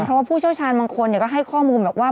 เพราะว่าผู้เชี่ยวชาญบางคนก็ให้ข้อมูลบอกว่า